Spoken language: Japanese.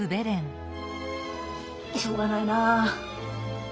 しょうがないな。